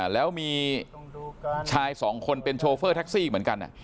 แล้วมีชายสองคนเป็นโชเฟอร์แท็กซี่เหมือนกัน